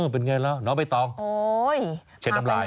เป็นไงล่ะน้องใบตองเช็ดน้ำลาย